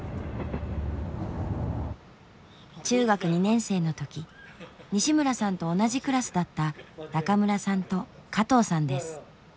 中学２年生の時西村さんと同じクラスだった中村さんと加藤さんです。